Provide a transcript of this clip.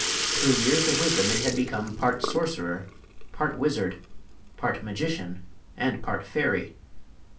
Through years of wisdom it had become part sorcerer, part wizard, part magician and part fairy.